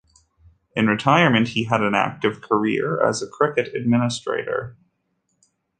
In retirement, he had an active career as a cricket administrator.